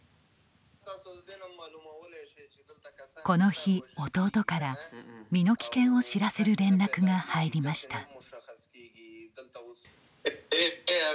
この日、弟から身の危険を知らせる連絡が入りました。